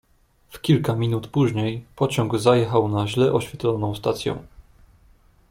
"W kilka minut później pociąg zajechał na źle oświetloną stację."